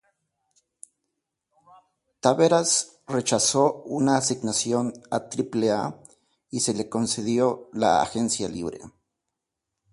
Taveras rechazó una asignación a Triple A y se le concedió la agencia libre.